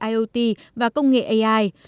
iot và công nghệ ai